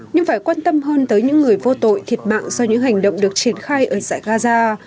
nhưng phải quan tâm hơn tới những người vô tội thiệt mạng do những hành động được triển khai ở dãy gaza